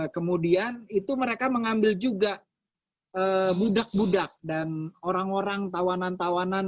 kemudian itu mereka mengambil juga budak budak dan orang orang tawanan tawanan